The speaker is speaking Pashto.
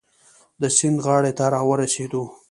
د سیند غاړې ته را ورسېدو.